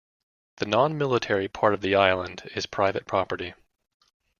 The non-military part of the island is private property.